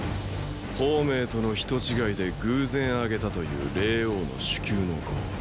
鳳明との人違いで偶然あげたという霊凰の首級の功。